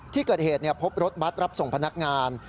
ที่เกิดเหตุพบรถบัตรรับส่งพนักงาน